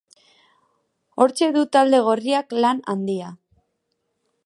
Hortxe du talde gorriak lan handia.